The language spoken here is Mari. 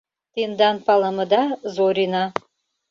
Тендан палымыда Зорина».